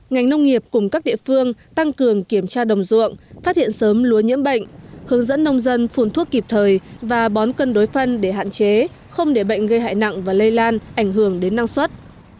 ngành nông nghiệp cùng các địa phương tăng cường kiểm tra đồng ruộng phát hiện sớm lúa nhiễm bệnh hướng dẫn nông dân phun thuốc kịp thời và bón cân đối phân để hạn chế không để bệnh gây hại nặng và lây lan ảnh hưởng đến năng suất